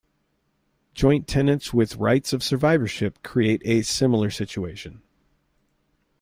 Joint tenants with rights of survivorship create a similar situation.